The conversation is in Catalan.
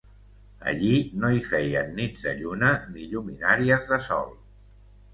Allí no hi feien nits de lluna, ni lluminaries de sol